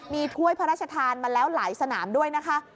มีถ้วยพระราชทานมาแล้วหลายสนามด้วยนะคะ